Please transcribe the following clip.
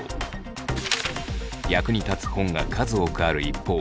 役に立つ本が数多くある一方